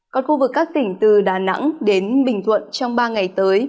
còn khu vực các tỉnh từ đà nẵng đến bình thuận trong ba ngày tới